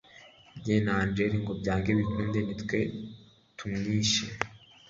njye na Angel ngo byange bikunde nitwe tumwishe